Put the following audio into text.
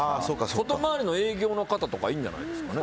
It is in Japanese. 外回りの営業の方とかいいんじゃないですかね。